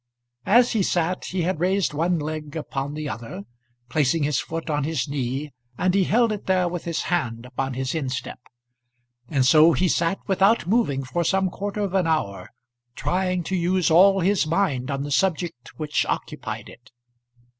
As he sat he had raised one leg upon the other, placing his foot on his knee, and he held it there with his hand upon his instep. And so he sat without moving for some quarter of an hour, trying to use all his mind on the subject which occupied it.